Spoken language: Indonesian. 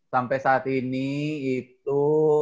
sampai saat ini itu